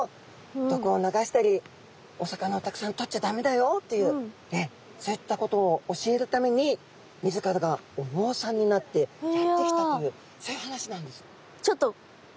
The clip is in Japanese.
毒を流したりお魚をたくさんとっちゃだめだよっていうそういったことを教えるために自らがお坊さんになってやって来たというそういう話なんです。